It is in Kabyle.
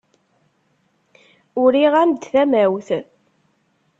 Uriɣ-am-d tamawt.